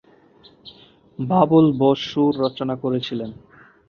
বাবুল বোস সুর রচনা করেছিলেন।